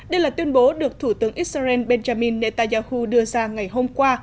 đây là tuyên bố được thủ tướng israel benjamin netanyahu đưa ra ngày hôm qua